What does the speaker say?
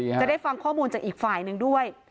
จะได้ฟังข้อมูลจากอีกฝ่ายหนึ่งด้วย